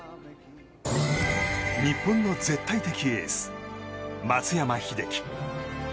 日本の絶対的エース松山英樹。